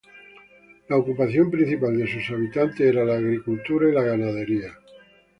La ocupación principal de sus habitantes era la agricultura y la ganadería.